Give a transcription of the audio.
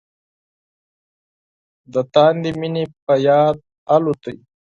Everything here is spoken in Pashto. د تاندې مينې په یاد الوتای